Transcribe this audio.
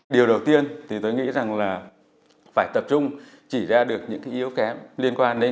điều đầu tiên thì tôi nghĩ rằng là phải tập trung chỉ ra được những cái yếu kém liên quan